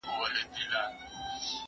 زه شګه نه پاکوم!!